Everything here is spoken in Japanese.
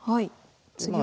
次は？